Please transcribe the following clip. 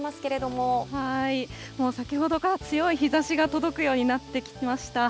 もう先ほどから強い日ざしが届くようになってきました。